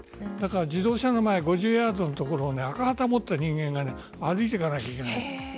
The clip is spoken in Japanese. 自動車の前５０ヤードの所赤旗を持った人間が歩かないといけない。